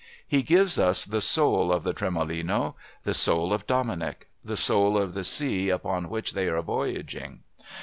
He gives us the soul of the Tremolino, the soul of Dominic, the soul of the sea upon which they are voyaging.